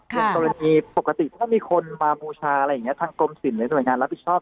กรณีปกติถ้ามีคนมามูชาอะไรอย่างเงี้ยทางกรมศิลป์หรือสมัยงานรับผิดชอบ